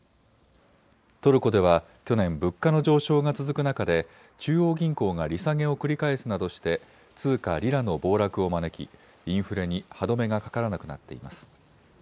トルコでは去年、物価の上昇が続く中で中央銀行が利下げを繰り返すなどして通貨リラの暴落を招きインフレに歯止めがかからなくなっています。